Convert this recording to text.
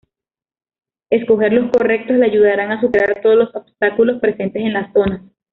Escoger los correctos le ayudarán a superar todos los obstáculos presentes en las zonas.